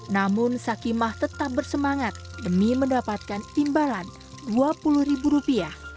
namun sakimah tetap bersemangat demi mendapatkan imbalan rp dua puluh